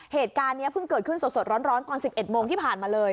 เหตุการณ์เนี้ยเพิ่งเกิดขึ้นสดสดร้อนร้อนก่อนสิบเอ็ดโมงที่ผ่านมาเลย